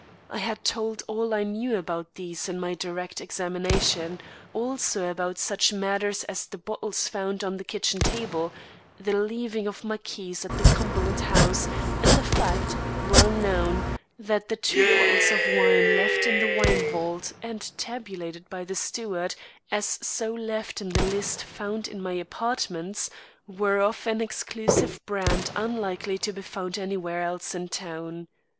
I had told all I knew about these in my direct examination; also about such matters as the bottles found on the kitchen table, the leaving of my keys at the Cumberland house, and the fact, well known, that the two bottles of wine left in the wine vault and tabulated by the steward as so left in the list found in my apartments, were of an exclusive brand unlikely to be found anywhere else in town.